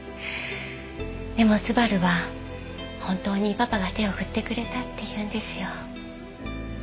でも昴は本当にパパが手を振ってくれたって言うんですよ。